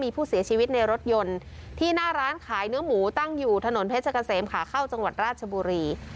ที่หน้าร้านขายเนื้อหมูตั้งอยู่ถนนเพชกเกษมขาเข้าจังหวัดราชบุรี